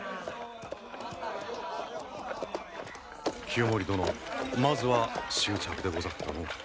清盛殿まずは祝着でござったのう。